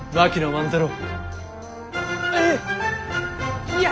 万太郎！